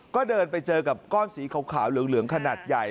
ก็เดินไปเจอกับก้อนสีขาวเหลืองขนาดใหญ่